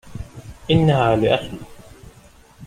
إنها لأخي.